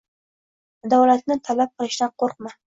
adolatni talab qilishdan qo‘rqma!